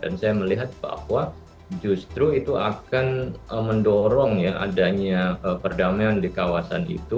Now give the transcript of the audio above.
dan saya melihat bahwa justru itu akan mendorong ya adanya perdamaian di kawasan itu